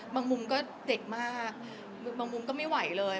มุมก็เด็กมากบางมุมก็ไม่ไหวเลย